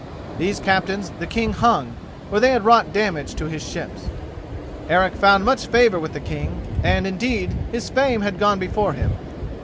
These captains the King hung, for they had wrought damage to his ships. Eric found much favour with the King, and, indeed, his fame had gone before him.